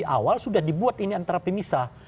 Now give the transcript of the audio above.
awal sudah dibuat ini antara pemisah